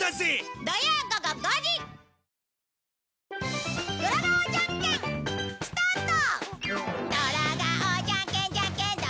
土曜午後５時スタート！